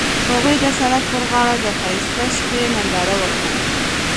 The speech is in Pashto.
هغوی د سړک پر غاړه د ښایسته شپه ننداره وکړه.